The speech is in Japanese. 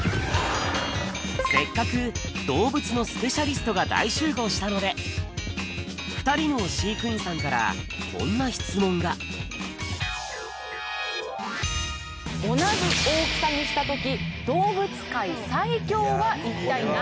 せっかく動物のスペシャリストが大集合したので２人の飼育員さんからこんな質問が同じ大きさにした時動物界最強は一体何？